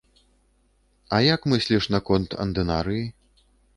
А як мысліш наконт андынарыі?